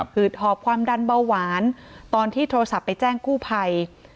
ืดหอบความดันเบาหวานตอนที่โทรศัพท์ไปแจ้งกู้ภัย